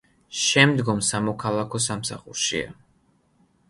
შემდგომ სამოქალაქო სამსახურშია.